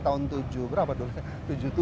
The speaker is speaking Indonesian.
tahun tujuh berapa dulu saya